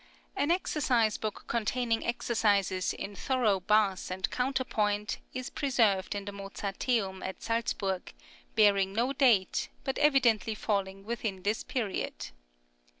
An exercise book containing exercises in thorough bass and counterpoint is preserved in the Mozarteum at Salzburg, bearing no date, but evidently falling within this period.